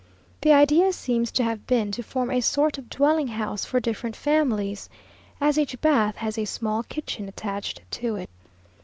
The idea seems to have been to form a sort of dwelling house for different families, as each bath has a small kitchen attached to it.